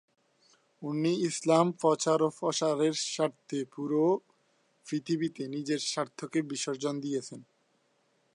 তখন আধুনিক সমাবেশ লাইন ও কাচ তৈরীর যন্ত্রপাতির কারণে হাতে তৈরী কাচের ব্যবসা অলাভজনক ছিল।